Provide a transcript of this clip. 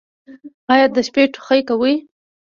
ایا د شپې ټوخی کوئ؟